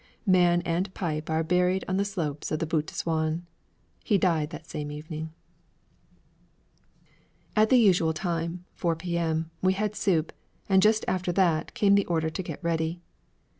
Man and pipe are buried on the slopes of the Butte de Souain. He died that same evening. At the usual time 4 P.M. we had soup, and just after that, came the order to get ready.